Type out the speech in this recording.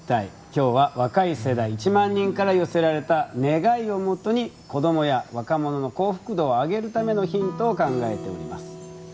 今日は、若い世代１万人から寄せられた願いをもとに子どもや若者の幸福度を上げるためのヒントを考えております。